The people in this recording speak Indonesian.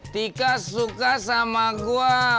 tika suka sama gua